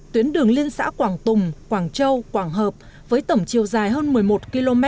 tuyến đường liên xã quảng tùng quảng châu quảng hợp với tổng chiều dài hơn một mươi một km